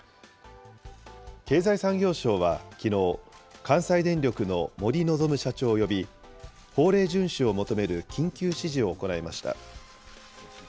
経済産業省はきのう、関西電力の森望社長を呼び、法令順守を求める緊急指示を行いました。